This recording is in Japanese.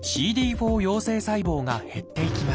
４陽性細胞が減っていきます。